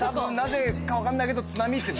なぜか分かんないけど。